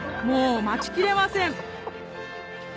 もう待ちきれません